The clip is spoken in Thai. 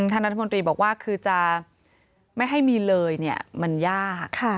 ท่านรัฐมนตรีบอกว่าคือจะไม่ให้มีเลยมันยาก